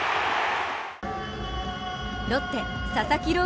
ロッテ・佐々木朗